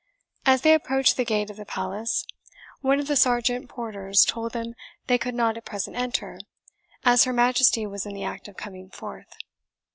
As they approached the gate of the palace, one of the sergeant porters told them they could not at present enter, as her Majesty was in the act of coming forth.